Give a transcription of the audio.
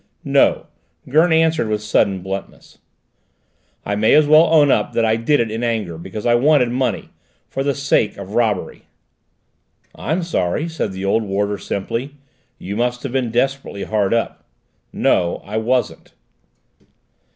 "No," Gurn answered with sudden bluntness, "I may as well own up that I did it in anger, because I wanted money for the sake of robbery." "I'm sorry," said the old warder simply. "You must have been desperately hard up." "No I wasn't."